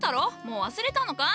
もう忘れたのか？